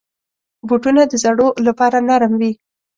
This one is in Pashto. بوټونه د زړو لپاره نرم وي.